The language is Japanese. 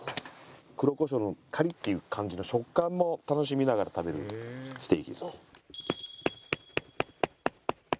黒コショウのカリッていう感じの食感も楽しみながら食べるステーキです。